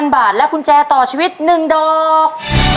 ๐บาทและกุญแจต่อชีวิต๑ดอก